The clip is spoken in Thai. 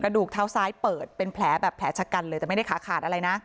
ดูกเท้าซ้ายเปิดเป็นแผลแบบแผลชะกันเลยแต่ไม่ได้ขาขาดอะไรนะ